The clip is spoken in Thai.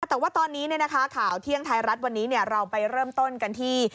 แต่ว่าตอนนี้ข่าวเที่ยงไทยรัฐวันนี้เราไปเริ่มต้นกันที่